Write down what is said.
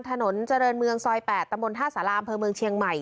ถนนเจริญเมืองซอย๘ตำบลท่าสาราอำเภอเมืองเชียงใหม่